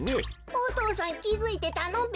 お父さんきづいてたのべ。